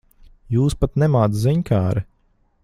Jūs pat nemāc ziņkāre.